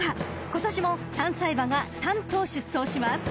［今年も３歳馬が３頭出走します］